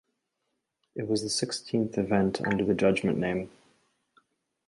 It was the sixteenth event under the Judgement name.